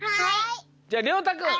じゃありょうたくん。